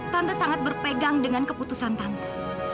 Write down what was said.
tante sangat berpegang dengan keputusan tante